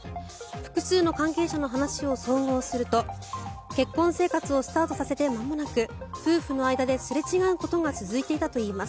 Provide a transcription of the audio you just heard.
複数の関係者の話を総合すると結婚生活をスタートさせて間もなく夫婦の間ですれ違うことが続いていたといいます。